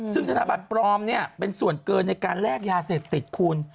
ซึ่งธนบัตรปลอมเนี่ยเป็นส่วนเกินในการแลกยาเสพติดคุณ